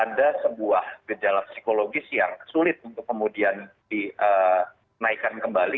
ada sebuah gejala psikologis yang sulit untuk kemudian dinaikkan kembali